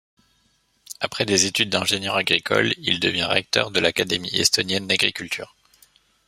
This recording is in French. Après des études d'ingénieur agricole, il devient recteur de l'Académie estonienne d'agriculture.